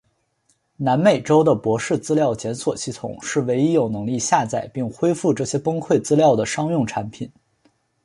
南美州的博士资料检索系统是唯一有能力下载并恢复这些崩溃资料的商用产品。